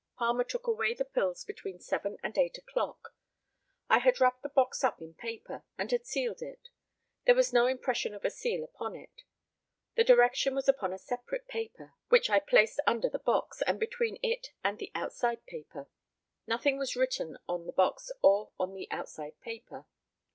Palmer took away the pills between seven and eight o'clock. I had wrapped the box up in paper, and had sealed it. There was no impression of a seal upon it. The direction was upon a separate paper, which I placed under the box, and between it and the outside paper. Nothing was written on the box or on the outside paper.